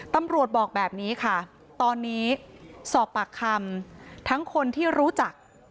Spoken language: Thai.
ตำรวจบอกแบบนี้ค่ะตอนนี้สอบปากคำทั้งคนที่รู้จัก